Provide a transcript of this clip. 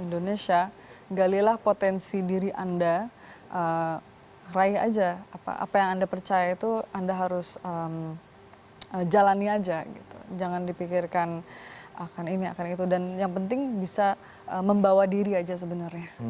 indonesia galilah potensi diri anda raih aja apa yang anda percaya itu anda harus jalani aja gitu jangan dipikirkan akan ini akan itu dan yang penting bisa membawa diri aja sebenarnya